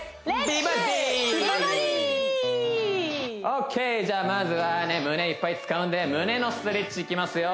美バディ美バディＯＫじゃあまずはね胸いっぱい使うんで胸のストレッチいきますよ